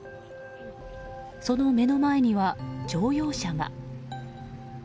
その目の前には、乗用車が。